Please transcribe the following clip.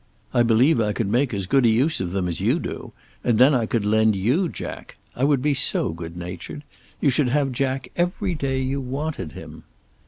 I believe I could make as good a use of them as you do, and then I could lend you Jack. I would be so good natured. You should have Jack every day you wanted him.